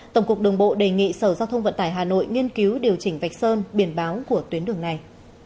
tổng cục đường bộ đề nghị sở giao thông vận tải hà nội nghiên cứu điều chỉnh vạch sơn biển báo của tuyến đường này